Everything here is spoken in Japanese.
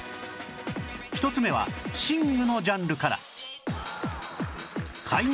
１つ目は寝具のジャンルから